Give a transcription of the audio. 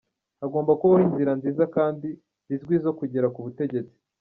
Hagomba kubaho inzira nziza kandi zizwi zo kugera ku butegetsi.